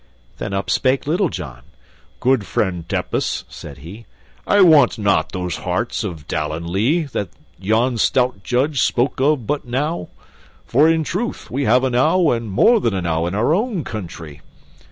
Then up spake Little John. "Good friend Tepus," said he, "I want not those harts of Dallen Lea that yon stout judge spoke of but now, for in truth we have enow and more than enow in our own country.